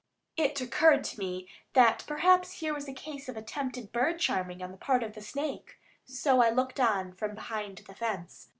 It occurred to me that perhaps here was a case of attempted bird charming on the part of the snake, so I looked on from behind the fence.